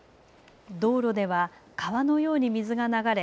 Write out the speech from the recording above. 道路では川のように水が流れ